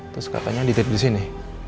terus katanya di date disini